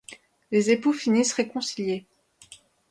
Les époux finissent réconciliés.